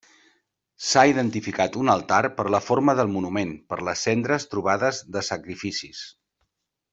S'ha identificat un altar per la forma del monument, per les cendres trobades de sacrificis.